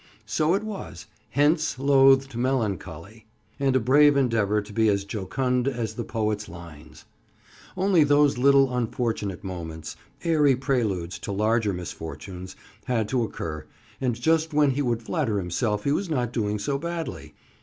So it was "Hence, loathed Melancholy!" and a brave endeavor to be as jocund as the poet's lines! Only those little unfortunate moments—airy preludes to larger misfortunes—had to occur, and just when he would flatter himself he was not doing so badly.